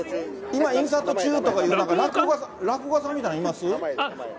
今、インサート中とかなんとか、横に落語家さんみたいなのいます？